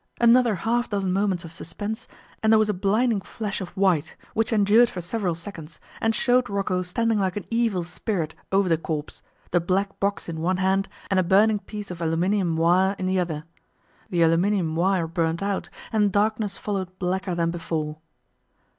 Another half dozen moments of suspense, and there was a blinding flash of white, which endured for several seconds, and showed Rocco standing like an evil spirit over the corpse, the black box in one hand and a burning piece of aluminium wire in the other. The aluminium wire burnt out, and darkness followed blacker than before.